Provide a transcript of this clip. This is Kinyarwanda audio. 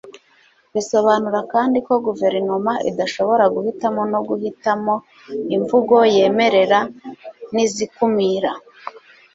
bisobanura kandi ko guverinoma idashobora guhitamo no guhitamo imvugo yemerera n'izikumira